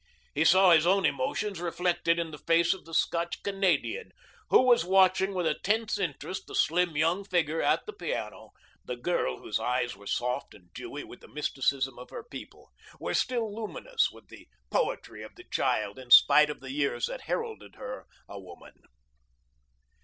He saw his own emotions reflected in the face of the Scotch Canadian, who was watching with a tense interest the slim, young figure at the piano, the girl whose eyes were soft and dewy with the mysticism of her people, were still luminous with the poetry of the child in spite of the years that heralded her a woman.